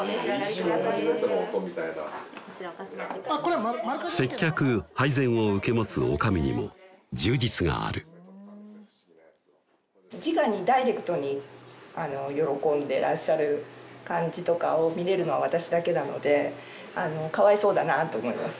くださいませ接客・配膳を受け持つ女将にも充実があるじかにダイレクトに喜んでらっしゃる感じとかを見れるのは私だけなのでかわいそうだなぁと思います